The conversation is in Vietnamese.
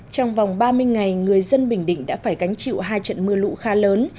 trong vòng ba mươi ngày người dân bình định đã phải gánh chịu hai trận mưa lũ khá lớn